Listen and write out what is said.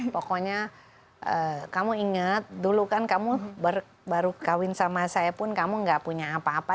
pokoknya kamu inget dulu kan kamu baru kawin sama saya pun kamu gak punya apa apa